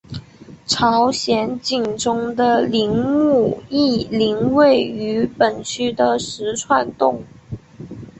朝鲜景宗的陵墓懿陵位于本区的石串洞。